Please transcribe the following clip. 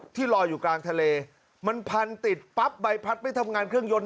ลอยอยู่กลางทะเลมันพันติดปั๊บใบพัดไม่ทำงานเครื่องยนต